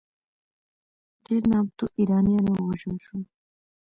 ډېر نامتو ایرانیان ووژل شول.